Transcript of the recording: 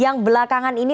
yang belakangan ini